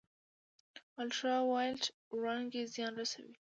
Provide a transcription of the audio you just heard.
الټرا وایلیټ وړانګې زیان رسوي